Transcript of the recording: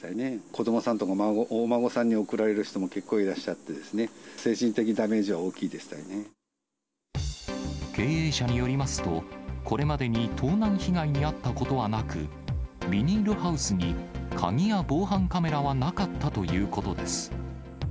子どもさんとかお孫さんに贈られる人も、結構いらっしゃってですね、経営者によりますと、これまでに盗難被害に遭ったことはなく、ビニールハウスに鍵や防犯カメラはなかったということです。